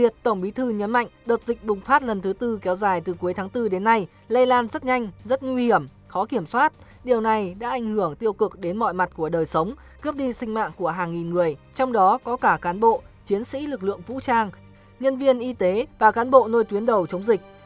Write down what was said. tổng bí thư nhấn mạnh đợt dịch bùng phát lần thứ tư kéo dài từ cuối tháng bốn đến nay lây lan rất nhanh rất nguy hiểm khó kiểm soát điều này đã ảnh hưởng tiêu cực đến mọi mặt của đời sống cướp đi sinh mạng của hàng nghìn người trong đó có cả cán bộ chiến sĩ lực lượng vũ trang nhân viên y tế và cán bộ nơi tuyến đầu chống dịch